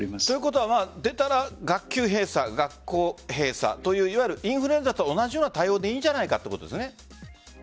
ということは、出たら学級閉鎖、学校閉鎖といういわゆるインフルエンザと同じような対応でいいんじゃないかということですね。